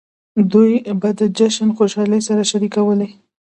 دوی به د جشن خوشحالۍ سره شریکولې.